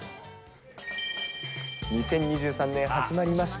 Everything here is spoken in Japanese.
２０２３年、始まりました。